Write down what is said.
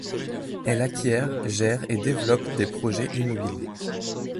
Elle acquiert, gère et développe des projets immobiliers.